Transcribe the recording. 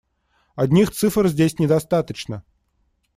Одних цифр здесь недостаточно.